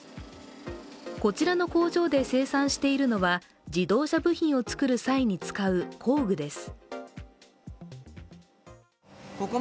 こちらの工場で生産しているのは自動車部品を作る際に使う工具です。